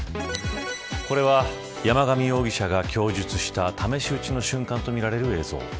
これは、山上容疑者が供述した試し撃ちの瞬間とみられる映像。